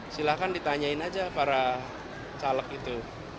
silahkan ditanyain aja para caleg itu